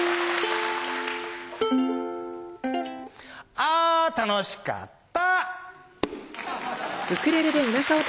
あ楽しかった！